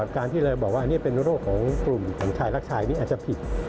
การที่เลยบอกว่าอันนี้เป็นโรคของกลุ่มของชายรักชายนี่อาจจะผิด